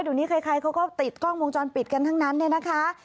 เดี๋ยวนี้ใครเขาก็ติดกล้องวงจรปิดกันทั้งนั้นเนี่ยนะคะ